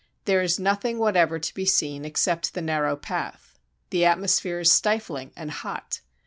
There is nothing whatever to be seen except the narrow path. The atmosphere is stifling and hot.